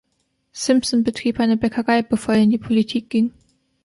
Simpson betrieb eine Bäckerei, bevor er in die Politik ging.